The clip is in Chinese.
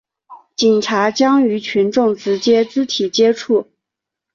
警察将与群众直接肢体接触